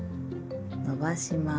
伸ばします。